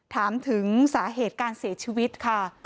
ถามถึงสาเหตุการเสียชีวิตค่ะ